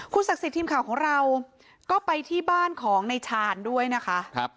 ศักดิ์สิทธิ์ทีมข่าวของเราก็ไปที่บ้านของในชาญด้วยนะคะ